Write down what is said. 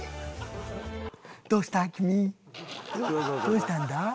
どうしたんだ？」